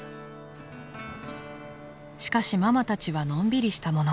［しかしママたちはのんびりしたもの］